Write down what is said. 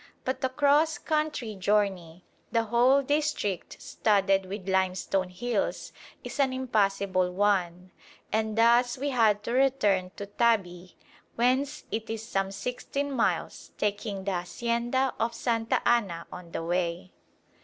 But the cross country journey, the whole district studded with limestone hills, is an impossible one, and thus we had to return to Tabi, whence it is some sixteen miles, taking the hacienda of Santa Anna on the way.